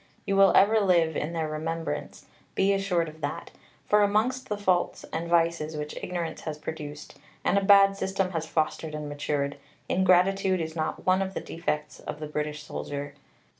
You will ever live in their remembrance, be assured of that; for amongst the faults and vices, which ignorance has produced, and a bad system has fostered and matured, ingratitude is not one of the defects of the British soldier.